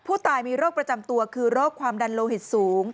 ผู้ตายมีโรคประจำตัวคือโรคความดันโลหิตสูง